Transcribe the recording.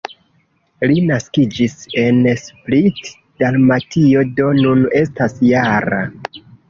Li naskiĝis en Split, Dalmatio, do nun estas -jara.